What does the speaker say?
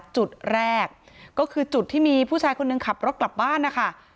จุดแรกก็คือจุดที่มีผู้ชายคนหนึ่งขับรถกลับบ้านนะคะ